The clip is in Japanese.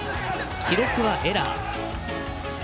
記録はエラー。